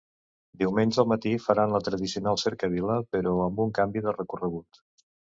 Diumenge al matí faran la tradicional cercavila, però amb un canvi de recorregut.